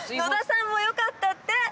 野田さんもよかったって！